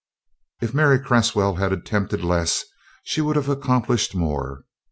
If Mary Cresswell had attempted less she would have accomplished more.